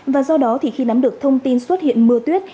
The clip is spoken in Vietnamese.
và do đó thì khi nắm được thông tin xuất hiện mưa tuyết